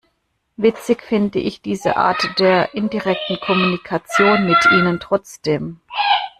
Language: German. Witzig finde ich diese Art der indirekten Kommunikation mit Ihnen trotzdem!